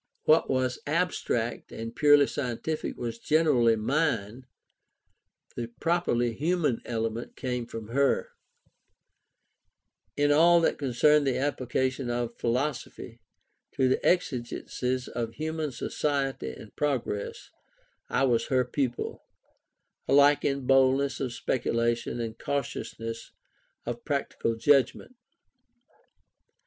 What was abstract and purely scientific was generally mine; the properly human element came from her: in all that concerned the application of philosophy to the exigencies of human society and progress, I was her pupil, alike in boldness of speculation and cautiousness of practical judgment.